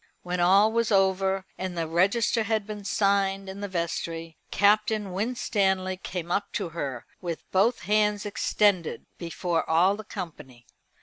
When all was over, and the register had been signed in the vestry, Captain Winstanley came up to her, with both hands extended, before all the company.